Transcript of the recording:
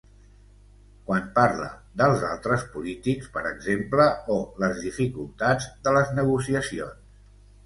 Quan parla dels altres polítics, per exemple, o les dificultats de les negociacions.